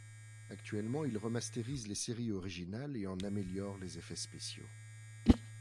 Actuellement il remastérise les séries originales et en améliore les effets spéciaux.